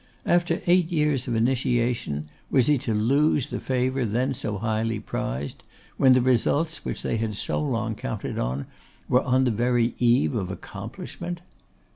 After eight years of initiation was he to lose that favour then so highly prized, when the results which they had so long counted on were on the very eve of accomplishment?